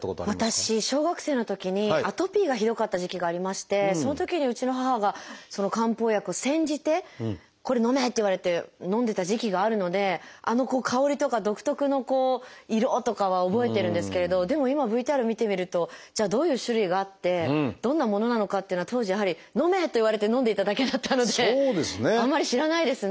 私小学生のときにアトピーがひどかった時期がありましてそのときにうちの母が漢方薬を煎じてこれのめって言われてのんでた時期があるのであの香りとか独特の色とかは覚えてるんですけれどでも今ＶＴＲ見てみるとじゃあどういう種類があってどんなものなのかっていうのは当時やはりのめって言われてのんでいただけだったのであんまり知らないですね。